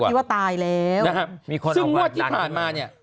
เขากินว่าตายแล้วนะครับซึ่งว่าที่ผ่านมาเนี่ย